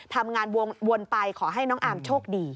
ทำงานวนไปขอให้น้องอาร์มโชคดี